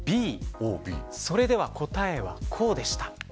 それでは、答えはこうでした。